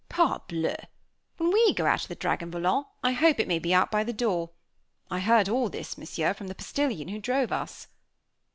Parbleu! when we go out of the Dragon Volant, I hope it may be by the door. I heard all this, Monsieur, from the postilion who drove us."